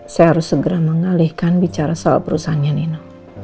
saya harus segera mengalihkan bicara soal perusahaannya nina